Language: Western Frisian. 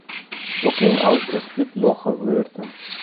Logging out is útlogge wurden.